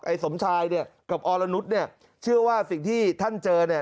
สมชายเนี่ยกับอรนุษย์เนี่ยเชื่อว่าสิ่งที่ท่านเจอเนี่ย